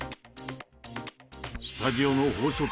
スタジオの法則